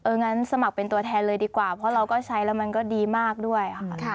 งั้นสมัครเป็นตัวแทนเลยดีกว่าเพราะเราก็ใช้แล้วมันก็ดีมากด้วยค่ะ